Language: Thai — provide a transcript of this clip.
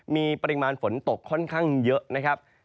มีปริมาณฝนตกค่อนข้างเยอะนะครับ